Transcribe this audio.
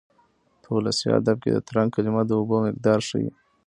په ولسي ادب کې د ترنګ کلمه د اوبو مقدار ښيي.